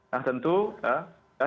nah tentu ya